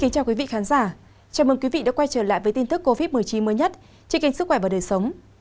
chào mừng quý vị đã quay trở lại với tin tức covid một mươi chín mới nhất trên kênh sức khỏe và đời sống